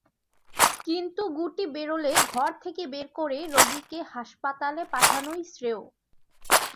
কিন্তু গুটি বেরোলে ঘর থেকে বের করে রোগীকে হাসপাতালে পাঠানোই শ্রেয়।